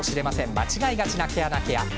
間違いがちな毛穴ケア。